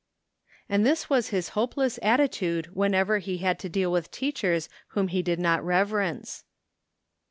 " And this was his hopeless attitude whenever he had to deal with teachers whom he did not reverence.